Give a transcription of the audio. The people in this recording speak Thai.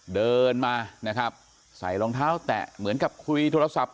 เดินมานะครับใส่รองเท้าแตะเหมือนกับคุยโทรศัพท์